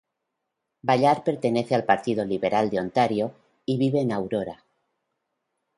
Ballard pertenece al Partido Liberal de Ontario y vive en Aurora.